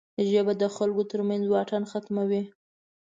ژبه د خلکو ترمنځ واټن ختموي